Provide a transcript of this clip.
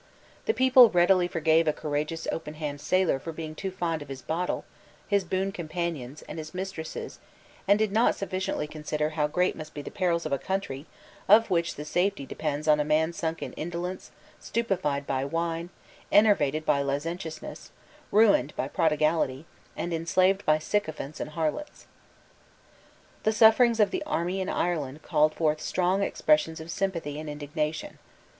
The people readily forgave a courageous openhanded sailor for being too fond of his bottle, his boon companions and his mistresses and did not sufficiently consider how great must be the perils of a country of which the safety depends on a man sunk in indolence, stupified by wine, enervated by licentiousness, ruined by prodigality, and enslaved by sycophants and harlots. The sufferings of the army in Ireland called forth strong expressions of sympathy and indignation.